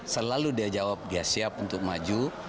selalu dia jawab dia siap untuk maju